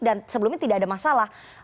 dan sebelumnya tidak ada masalah